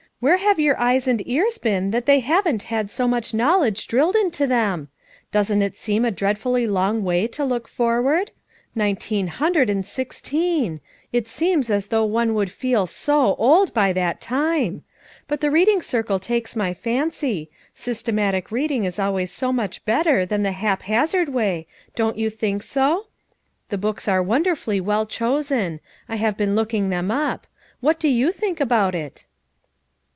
Where have your eyes and ears been that they haven't had so much knowledge drilled into them? Doesn't that seem a dread fully long way to look forward? Nineteen hundred and sixteen! it seems as though one would feel so old by that time! But the read ing circle takes my fancy; systematic reading 212 FOUR MOTHERS AT CHAUTAUQUA 213 is always so much better than the haphazard way, don't you think so? The books are won derfully well chosen; I've been looking them up. What do you think about it?"